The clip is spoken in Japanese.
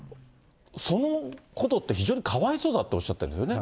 そのことって非常にかわいそうだっておっしゃるんですよね。